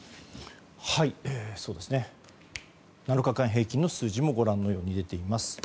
７日間平均の数字もご覧のように出ています。